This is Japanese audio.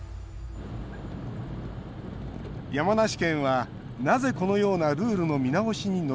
山梨県は、なぜこのようなルールの見直しに乗り出したのか。